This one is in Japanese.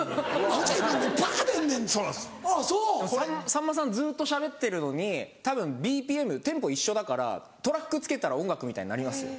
さんまさんずっとしゃべってるのにたぶんＢＰＭテンポ一緒だからトラック付けたら音楽みたいになりますよ。